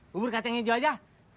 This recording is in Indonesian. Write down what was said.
bubur kacang hijau aja